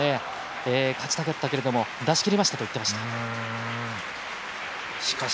勝ちたかったけれども力を出し切りましたという話をしていました。